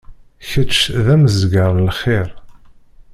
Kečč d amezzgar n lxiṛ.